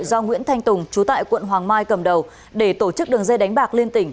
do nguyễn thanh tùng chú tại quận hoàng mai cầm đầu để tổ chức đường dây đánh bạc liên tỉnh